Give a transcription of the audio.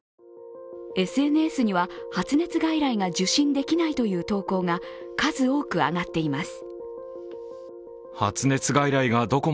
ＳＮＳには、発熱外来が受診できないという投稿が数多く上がっています。